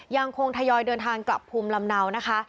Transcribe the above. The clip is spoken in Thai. ยังคงทยอยเดินทางกลับภูมิลำเนานะคะ